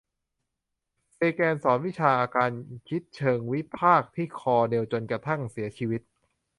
เซแกนสอนวิชาการคิดเชิงวิพากษ์ที่คอร์เนลจนกระทั่งเสียชีวิต